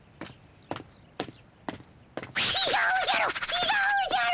ちがうじゃろ。